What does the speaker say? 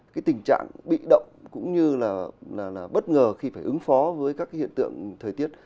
cái tình trạng bị động cũng như là bất ngờ khi phải ứng phó với các cái hiện tượng thời tiết